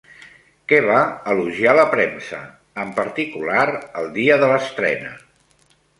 Què va elogiar la premsa en particular el dia de l'estrena?